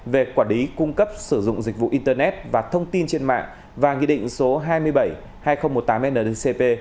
về quản lý cung cấp sử dụng dịch vụ internet và thông tin trên mạng và nghị định số hai mươi bảy hai nghìn một mươi tám ndcp